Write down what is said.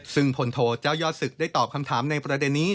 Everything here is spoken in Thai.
ซึ่งพลโทเจ้ายอดศึกได้ตอบคำถามในประเด็นนี้